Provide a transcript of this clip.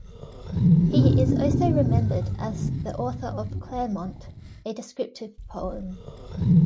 He is also remembered as the author of "Claremont", a descriptive poem.